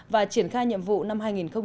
và triển khai nhiệm vụ năm hai nghìn một mươi bảy